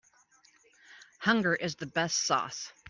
Hunger is the best sauce.